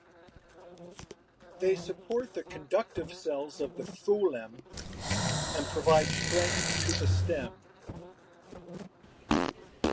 They support the conductive cells of the phloem and provide strength to the stem.